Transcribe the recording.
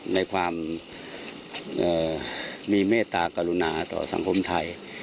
ในความมีเมตตากรุณาต่อสังคมไทย